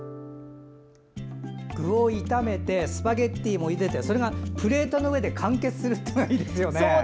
具を炒めてスパゲッティもゆでてそれがプレートの上で完結するっていうのがいいですね。